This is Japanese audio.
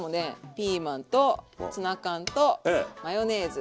ピーマンとツナ缶とマヨネーズ